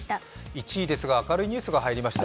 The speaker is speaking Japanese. １位ですが明るいニュースが入りました、